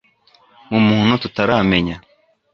mu muntu tutaramenya